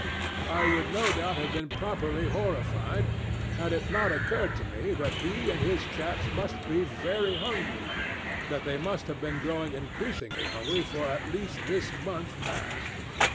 I would no doubt have been properly horrified, had it not occurred to me that he and his chaps must be very hungry: that they must have been growing increasingly hungry for at least this month past.